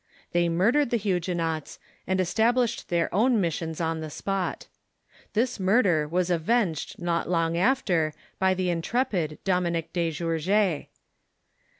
They murdered the Huguenots, and established their own missions on the spot. This murder Avas avenged not long after by the intrepid Dominic de Gourges.